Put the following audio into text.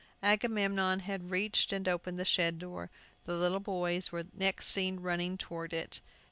Agamemnon had reached and opened the shed door. The little boys were next seen running toward it.